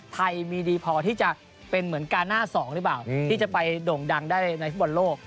ไทยมีดีพอที่จะเป็นเหมือนการหน้า๒หรือเปล่าที่จะไปโด่งดังได้ในฟุตบอลโลก